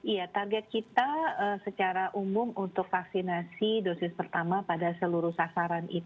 iya target kita secara umum untuk vaksinasi dosis pertama pada seluruh sasaran itu delapan puluh di akhir tahun ini